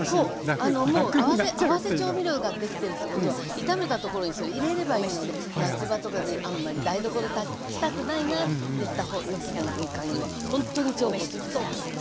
合わせ調味料ができてるってことは炒めたところにそれ入れればいいので夏場とかであんまり台所立ちたくないなって時なんかにはほんとに重宝すると思います。